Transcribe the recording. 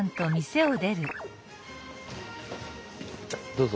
どうぞ。